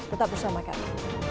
tetap bersama kami